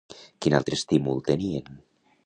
Quin altre estímul tenien?